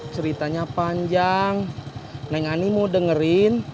ceritanya panjang neng ani mau dengerin